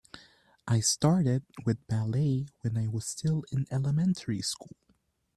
I started with ballet when I was still in elementary school.